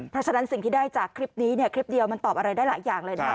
เพราะฉะนั้นสิ่งที่ได้จากคลิปนี้เนี่ยคลิปเดียวมันตอบอะไรได้หลายอย่างเลยนะคะ